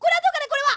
これは。